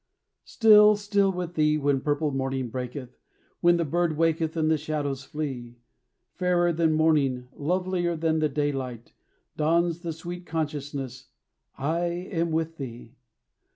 Still, still with thee, when purple morning breaketh, When the bird waketh and the shadows flee; Fairer than morning, lovelier than the daylight, Dawns the sweet consciousness, I am with thee!